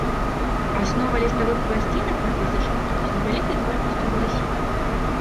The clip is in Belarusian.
Аснова ліставых пласцінак над язычком з невялікай колькасцю валасінак.